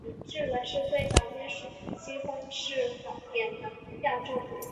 日本是最早编纂西方式法典的亚洲国家。